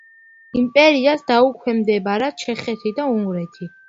იმპერიას დაუქვემდებარა ჩეხეთი და უნგრეთი.